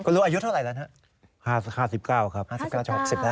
คุณลุงอายุเท่าไหร่แล้วนะฮะ